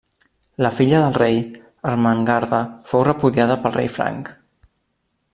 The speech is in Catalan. La filla del rei, Ermengarda fou repudiada pel rei franc.